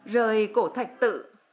rời cổ thạch tự